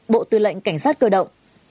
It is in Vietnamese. bộ tư lệnh cảnh sát cơ động